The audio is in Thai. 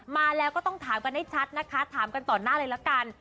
มาแล้วก็ต้องถามกันให้ชัดนะคะถามกันต่อหน้าเลยละกัน